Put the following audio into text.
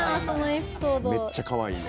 めっちゃかわいいねん。